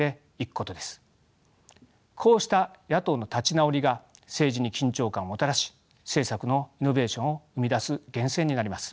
こうした野党の立ち直りが政治に緊張感をもたらし政策のイノベーションを生み出す源泉になります。